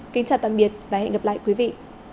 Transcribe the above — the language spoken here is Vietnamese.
kính chào tạm biệt và hẹn gặp lại quý vị